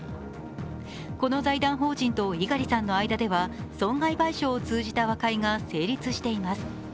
この財団法人と猪狩さんの間では損害賠償を通じた和解が成立しています。